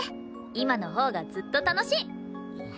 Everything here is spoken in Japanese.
今のほうがずっと楽しい！